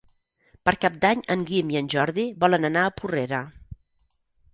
Per Cap d'Any en Guim i en Jordi volen anar a Porrera.